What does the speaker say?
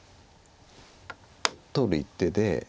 取る一手で。